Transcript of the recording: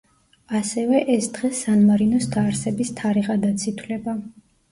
ასევე ეს დღე სან მარინოს დაარსების თარიღადაც ითვლება.